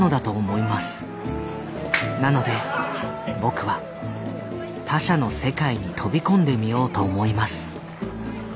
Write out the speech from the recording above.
なので僕は他者の世界に飛び込んでみようと思います。